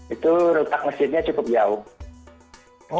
itu retak masjidnya cukup jauh